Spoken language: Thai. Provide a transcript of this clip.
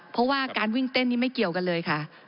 เพราะว่าการวิ่งเต้นนี้ไม่เกี่ยวกันเลยค่ะ